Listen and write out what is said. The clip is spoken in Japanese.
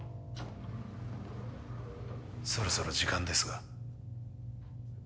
そろそろ時間ですが。